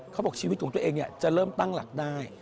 ชีวิตของตัวเองจะเริ่มตั้งหลักได้